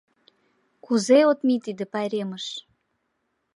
Кузе от мий тиде пайремыш!